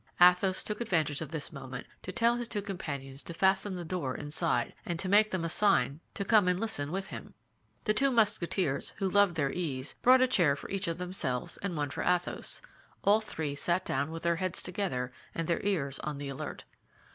Athos took advantage of this moment to tell his two companions to fasten the door inside, and to make them a sign to come and listen with him. The two Musketeers, who loved their ease, brought a chair for each of themselves and one for Athos. All three then sat down with their heads together and their ears on the alert.